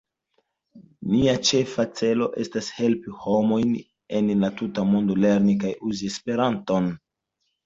Nia ĉefa celo estas helpi homojn en la tuta mondo lerni kaj uzi Esperanton.